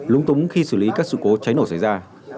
lúng túng khi xử lý các sự cố cháy nổ xảy ra